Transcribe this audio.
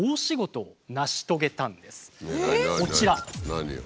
何よ？